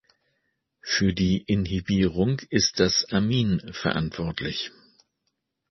Für die Inhibierung ist das Amin verantwortlich.